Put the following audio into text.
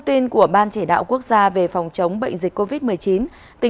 tôi chưa bao giờ làm sản phẩm ballpoint pen